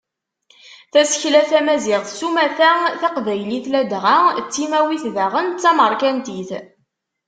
Tasekla tamaziɣt s umata, taqbaylit ladɣa d timawit daɣen d tamerkantit.